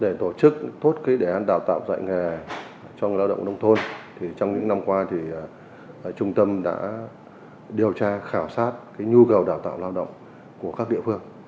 để tổ chức tốt đề án đào tạo dạy nghề trong lao động nông thôn trong những năm qua trung tâm đã điều tra khảo sát nhu cầu đào tạo lao động của các địa phương